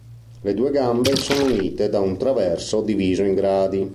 Le due gambe sono unite da un traverso diviso in gradi.